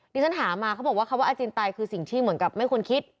ดิฉันหามาเขาบอกว่าอจินไตคือสิ่งที่เหมือนกับไม่ควรคิด